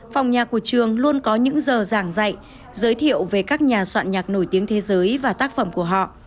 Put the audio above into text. phòng nhà của trường luôn có những giờ giảng dạy giới thiệu về các nhà soạn nhạc nổi tiếng thế giới và tác phẩm của họ